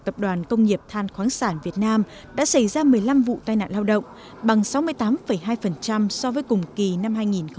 tập đoàn công nghiệp than khoáng sản việt nam đã xảy ra một mươi năm vụ tai nạn lao động bằng sáu mươi tám hai so với cùng kỳ năm hai nghìn một mươi tám